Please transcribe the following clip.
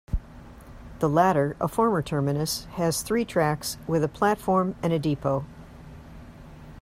The latter, a former terminus, has three tracks with a platform and a depot.